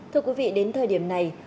thưa quý vị đến thời điểm này